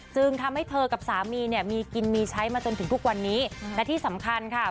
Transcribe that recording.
จึงทำให้เธอกับสามีเนี่ยมีกินมีใช้มาจนถึงทุกวันนี้และที่สำคัญค่ะ